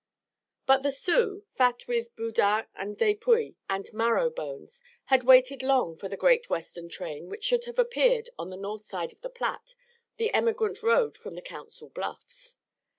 But the Sioux, fat with boudins and dépouille and marrowbones, had waited long for the great Western train which should have appeared on the north side of the Platte, the emigrant road from the Council Bluffs.